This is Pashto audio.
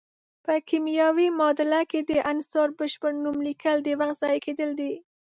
په کیمیاوي معادله کې د عنصر بشپړ نوم لیکل د وخت ضایع کیدل دي.